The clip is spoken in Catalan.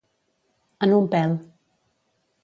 En un pèl.